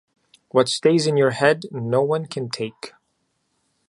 What stays in your head no one can take.